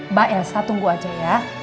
mbak elsa tunggu aja ya